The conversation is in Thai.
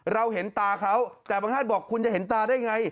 เราเห็นตาเขาแต่บางท่านบอกคุณจะเห็นตาได้ไง